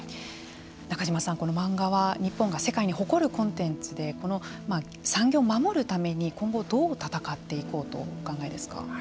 中島さん、この漫画は日本が世界に誇るコンテンツでこの産業を守るために今後、どう闘っていこうとお考えですか。